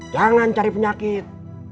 jangan cari penyakit